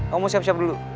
kamu siap siap dulu